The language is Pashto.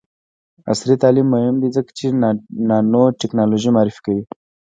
عصري تعلیم مهم دی ځکه چې د نانوټیکنالوژي معرفي کوي.